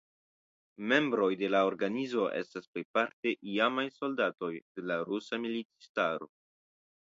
Membroj de la organizo estas plejparte iamaj soldatoj de la rusa militistaro.